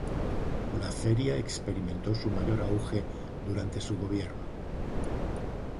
La feria experimentó su mayor auge durante su gobierno.